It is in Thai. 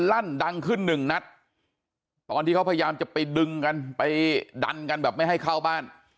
ลั่นดังขึ้นหนึ่งนัดตอนที่เขาพยายามจะไปดึงกันไปดันกันแบบไม่ให้เข้าบ้าน